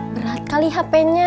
berat kali hpnya